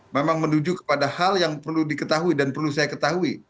memang menuju kepada hal yang perlu diketahui dan perlu saya ketahui